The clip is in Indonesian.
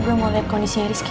belum mau lihat kondisinya rizky